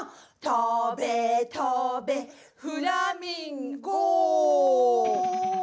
「とべとべ」「フラミンゴ」